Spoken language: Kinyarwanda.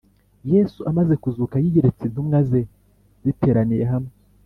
Yesu amaze kuzuka yiyiretse intumwa ze ziteraniye hamwe.